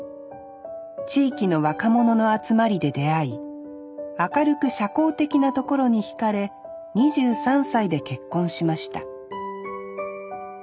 地域の若者の集まりで出会い明るく社交的なところにひかれ２３歳で結婚しました